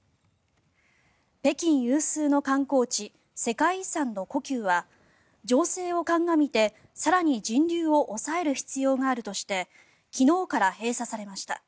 北京有数の観光地世界遺産の故宮は情勢を鑑みて、更に人流を抑える必要があるとして昨日から閉鎖されました。